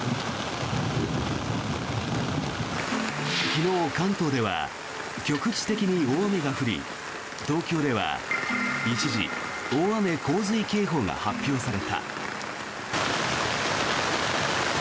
昨日、関東では局地的に大雨が降り東京では一時大雨・洪水警報が発表された。